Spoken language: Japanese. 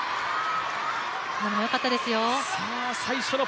今のもよかったですよ。